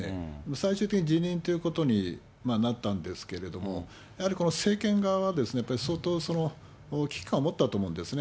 最終的に辞任ということになったんですけれども、やはりこの政権側は、やっぱり相当危機感を持ったと思うんですね。